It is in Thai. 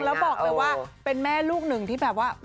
แล้วบอกเลยว่าเป็นแม่ลูกหนึ่งที่แบบว่า